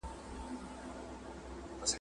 ما یې هم پخوا لیدلي دي خوبونه !.